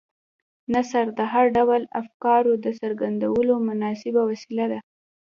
نثر د هر ډول افکارو د څرګندولو مناسبه وسیله ده.